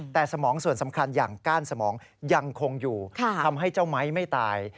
แต่สมองส่วนสำคัญอย่างก้านสมองยังคงอยู่ทำให้เจ้าไม้ไม่ตาย